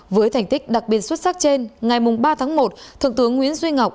với thành tích đặc biệt xuất sắc trên ngày ba tháng một thượng tướng nguyễn duy ngọc